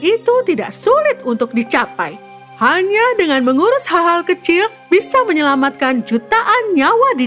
itu tidak sulit untuk dicapai hanya dengan mengurus hal hal kecil bisa menyelamatkan jutaan nyawa di